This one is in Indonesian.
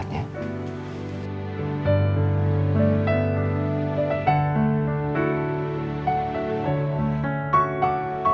udah nyakit sih rahatnya